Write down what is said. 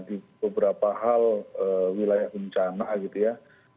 di beberapa hal wilayah bencana gitu ya